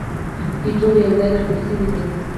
دوی ټول یو ځای راټول شوي دي.